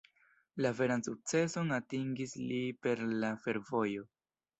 La veran sukceson atingis li per la fervojo.